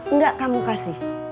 nggak kamu kasih